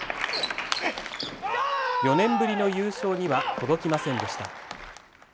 ４年ぶりの優勝には届きませんでした。